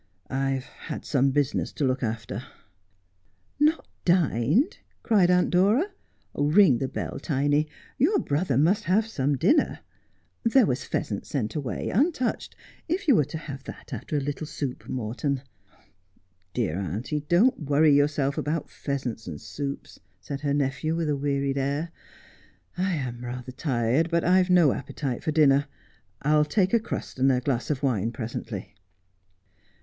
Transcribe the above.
' I have had some business to look after,' ' Not dined !' cried Aunt Dora. ' Eing the bell, Tiny ; your brother must have some dinner. There was a pheasant sent away untouched. If you were to have that after a little soup, Morton.' ' Dear auntie, don't worry yourself about pheasants and soups, said her nephew, with a wearied air. ' I am rather tired, but I've no appetite for dinner. I'll take a crust and a glass of wine presently.'